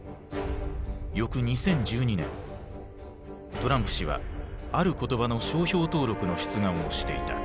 翌２０１２年トランプ氏はある言葉の商標登録の出願をしていた。